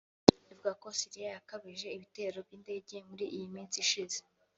ivuga ko Syria yakajije ibitero by’indege muri iyi minsi ishize